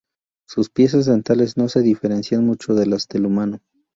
Sus piezas dentales no se diferencian mucho de las del humano.